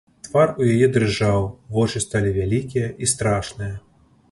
Твар у яе дрыжаў, вочы сталі вялікія і страшныя.